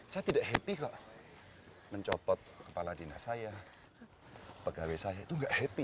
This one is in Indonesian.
saya tidak happy kok mencopot kepala dinas saya pegawai saya itu gak happy